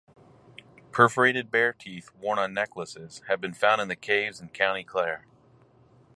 Perforated bear teeth (worn on necklaces) have been found in caves in County Clare.